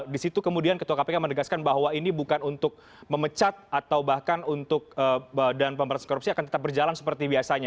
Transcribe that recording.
di situ kemudian ketua kpk menegaskan bahwa ini bukan untuk memecat atau bahkan untuk badan pemberantasan korupsi akan tetap berjalan seperti biasanya